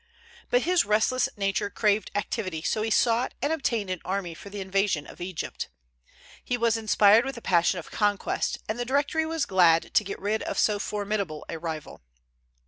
But his restless nature craved activity; so he sought and obtained an army for the invasion of Egypt. He was inspired with a passion of conquest, and the Directory was glad to get rid of so formidable a rival.